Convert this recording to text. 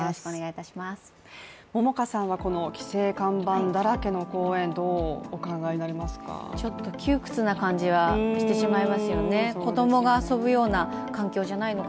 桃花さんはこの規制看板だらけの公園どうお考えになりますか？